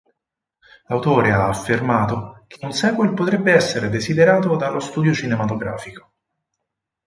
L'autore ha affermato che un sequel potrebbe essere desiderato dallo studio cinematografico.